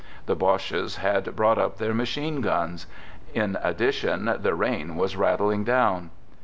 The Boches had brought up their machine guns. In ad dition, the rain was rattling down.